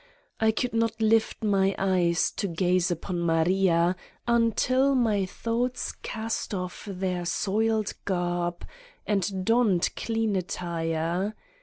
I could not lift my eyes to gaze upon Maria until my thoughts cast off their soiled garb and donned clean attire.